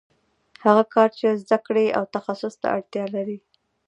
هغه کار چې زده کړې او تخصص ته اړتیا لري